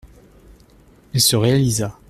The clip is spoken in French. Il se réalisa.